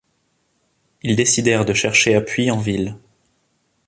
Ils décidèrent de chercher appui en ville.